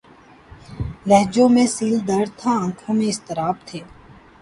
لہجوں میں سیلِ درد تھا‘ آنکھوں میں اضطراب تھے